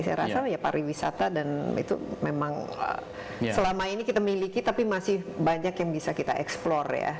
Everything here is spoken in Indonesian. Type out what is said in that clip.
saya rasa ya pariwisata dan itu memang selama ini kita miliki tapi masih banyak yang bisa kita eksplor ya